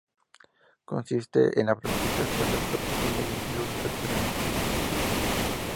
Consiste en la representación de los objetos mediante el uso de los elementos lingüísticos.